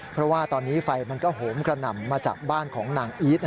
เพราะว่าตอนนี้ไฟมันก็โหมกระหน่ำมาจากบ้านของนางอีท